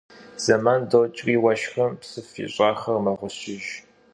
Zeman doç'ri vueşşxım psıf yiş'axer meğuşıjj.